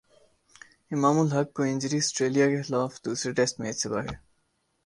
امام الحق کو injury Australia کے خلاف دوسرے ٹیسٹ میچ سے باہر